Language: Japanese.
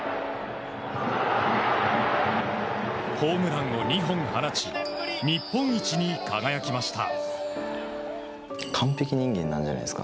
ホームランを２本放ち日本一に輝きました。